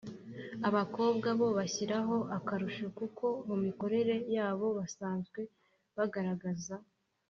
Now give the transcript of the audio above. abakobwa bo bashyiraho akarusho kuko mu mikorere yabo basanzwe bagaragaza